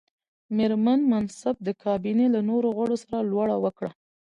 مېرمن منصف د کابینې له نورو غړو سره لوړه وکړه.